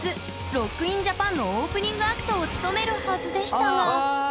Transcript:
ＲＯＣＫＩＮＪＡＰＡＮのオープニングアクトを務めるはずでしたが最悪だね。